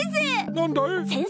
なんだい？